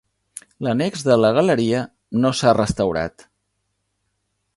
L'annex de la galeria no s'ha restaurat.